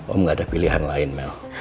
om gak ada pilihan lain mel